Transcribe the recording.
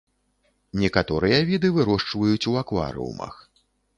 Некаторыя віды вырошчваюць у акварыумах.